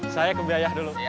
saya kebiayah dulu